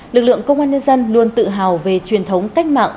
lực lượng công an nhân dân luôn tự hào về truyền thống cách mạng